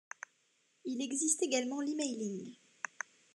Il existe également l’emailing.